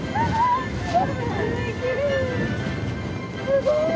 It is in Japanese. すごい！